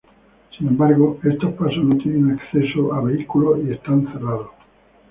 Sin embargo, estos pasos no tienen acceso a vehículos y están cerrados.